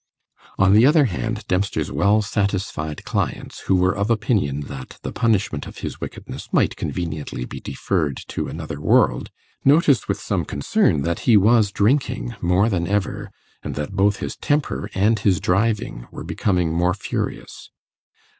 On the other hand, Dempster's well satisfied clients, who were of opinion that the punishment of his wickedness might conveniently be deferred to another world, noticed with some concern that he was drinking more than ever, and that both his temper and his driving were becoming more furious.